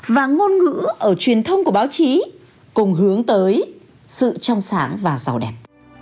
và ngôn ngữ ở truyền thông của báo chí cùng hướng tới sự trong sáng và giàu đẹp